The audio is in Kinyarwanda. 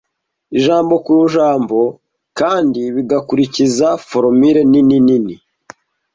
ijambo ku jambo kandi bigakurikiza formula nini nini